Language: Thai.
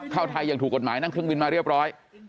เข้าไทยอย่างถูกกฎหมายนั่งเครื่องบินมาเรียบร้อย